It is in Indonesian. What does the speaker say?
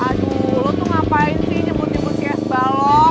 aduh lo tuh ngapain sih nyebut nyebut si esbalok